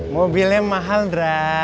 mobilnya mahal dra